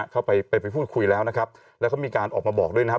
เข้าไปไปพูดคุยแล้วนะครับแล้วก็มีการออกมาบอกด้วยนะครับ